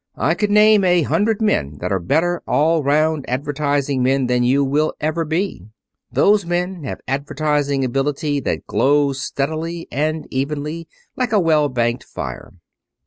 I could name a hundred men that are better all around advertising men than you will ever be. Those men have advertising ability that glows steadily and evenly, like a well banked fire.